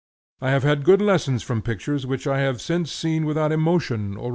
I have had good lessons from pictures which I have since seen without emotion or remark.